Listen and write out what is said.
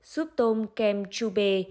suốt tôm kem chou bê